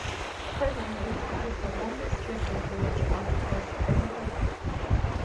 Presently it is the longest river bridge of West Bengal.